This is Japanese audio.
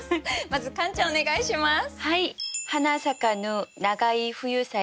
まずカンちゃんお願いします。